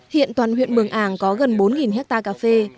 hiện toàn huyện mường ảng có gần bốn hectare cà phê